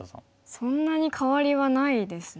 そんなに変わりはないですね。